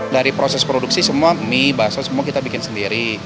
dari proses produksi semua mie baso semua kita bikin sendiri